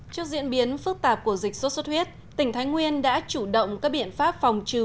trước diễn biến phức tạp của dịch sốt xuất huyết tỉnh thái nguyên đã chủ động các biện pháp phòng trừ